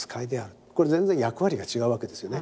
これ全然役割が違うわけですよね。